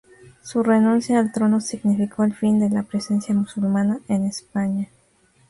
Su renuncia al trono significó el fin de la presencia musulmana en España.